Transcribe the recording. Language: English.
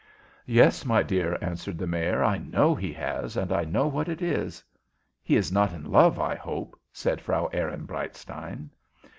"Yes, my dear," answered the Mayor. "I know he has, and I know what it is." "He is not in love, I hope?" said Frau Ehrenbreitstein.